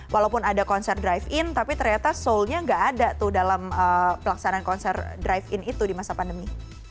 walaupun ada konser drive in tapi ternyata soulnya nggak ada tuh dalam pelaksanaan konser drive in itu di masa pandemi